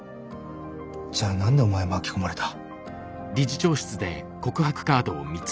じゃあ何でお前は巻き込まれた？